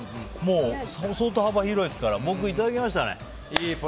相当幅広いですから僕いただきましたね。